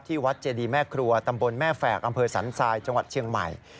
วัดเจดีแม่ครัวตำบลแม่แฝกอำเภอสันทรายจังหวัดเชียงใหม่